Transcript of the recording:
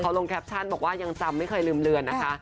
ลงแคปชั่นบอกว่ายังจำไม่เคยลืมเรือนนะคะ